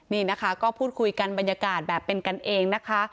นี่นะคะก็พูดคุยกันบรรยากาศแบบเป็นกันเองนะคะ